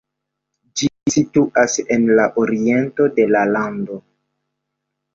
Ĝi situas en la oriento de la lando.